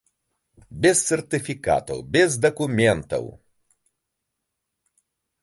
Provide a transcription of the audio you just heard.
Без сертыфікатаў, без дакументаў.